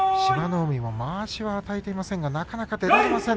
海もまわしを与えていませんが、なかなか出られません。